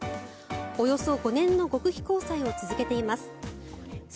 およそ５年の極秘交際を続けています。